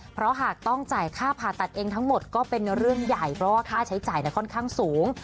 เพราะหากต้องจ่ายค่าผ่าตัดเองทั้งหมดก็เป็นเรื่องใหญ่เพราะว่าค่าใช้จ่ายค่อนข้างสูง